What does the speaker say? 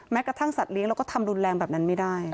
กระทั่งสัตว์เลี้ยเราก็ทำรุนแรงแบบนั้นไม่ได้